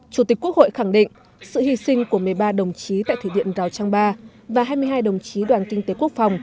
chủ tịch quốc hội khẳng định sự hy sinh của một mươi ba đồng chí tại thủy điện rào trang ba và hai mươi hai đồng chí đoàn kinh tế quốc phòng